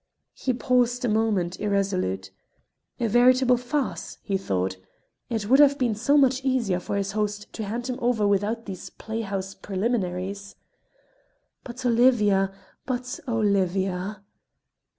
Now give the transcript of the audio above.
He paused a moment, irresolute. A veritable farce! he thought. It would have been so much easier for his host to hand him over without these play house preliminaries. But Olivia! but Olivia!